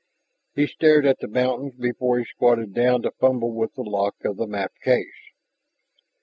He stared at the mountains before he squatted down to fumble with the lock of the map case.